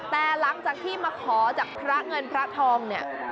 แต่หลังจากที่มาขอจากพระเงินพระทองเนี่ย